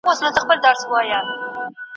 اقتصاد د سرچینو سم مدیریت غواړي.